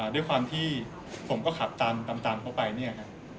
ด้วยความที่ผมก็ขับตามตามตามเขาไปเนี่ย